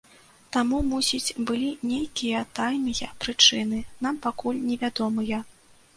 Таму, мусіць, былі нейкія тайныя прычыны, нам пакуль невядомыя.